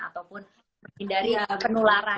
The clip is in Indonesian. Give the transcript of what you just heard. ataupun menghindari penularan